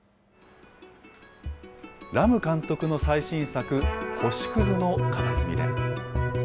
ラム監督の最新作、星くずの片隅で。